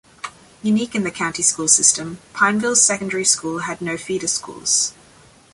Unique in the county school system, Pineville's secondary school had no feeder schools.